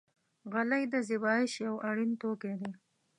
غلۍ د زېبایش یو اړین توکی دی.